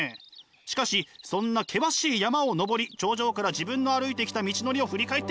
しかしそんな険しい山を登り頂上から自分の歩いてきた道のりを振り返って見てください！